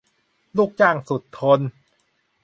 ลูกจ้างสุดทน